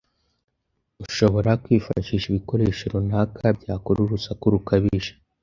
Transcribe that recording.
ushobora kwifashisha ibikoresho runaka byakora urusaku rukabije